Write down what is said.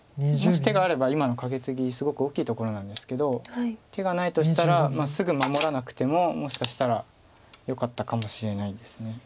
もし手があれば今のカケツギすごく大きいところなんですけど手がないとしたらすぐ守らなくてももしかしたらよかったかもしれないんです。